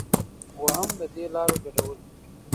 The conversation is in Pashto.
اووم ددې لارو ګډول دي.